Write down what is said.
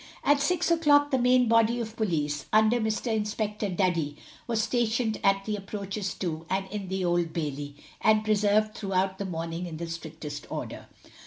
At six o'clock the main body of police, under Mr. Inspector Duddy, was stationed at the approaches to, and in the Old Bailey, and preserved throughout the morning in the strictest order.